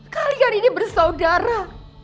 kalian ini bersaudara